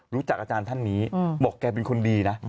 อาจารย์ท่านนี้บอกแกเป็นคนดีนะ